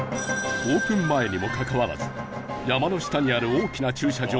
オープン前にもかかわらず山の下にある大きな駐車場はすでに満車